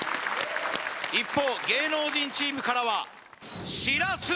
一方芸能人チームからはしらす